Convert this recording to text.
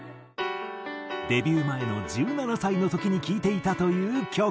デビュー前の１７歳の時に聴いていたという曲。